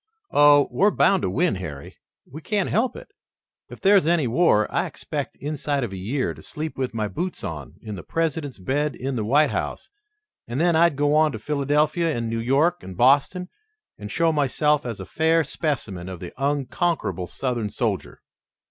Oh, we're bound to win, Harry! We can't help it. If there's any war, I expect inside of a year to sleep with my boots on in the President's bed in the White House, and then I'd go on to Philadelphia and New York and Boston and show myself as a fair specimen of the unconquerable Southern soldier."